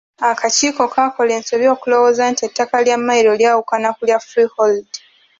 Akakiiko kaakola ensobi okulowooza nti ettaka lya Mmayiro lyawukana ku lya freehold.